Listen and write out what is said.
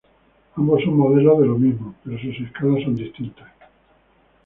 Ambos son modelos de lo mismo, pero sus escalas son distintas.